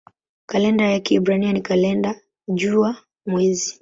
Kalenda ya Kiebrania ni kalenda jua-mwezi.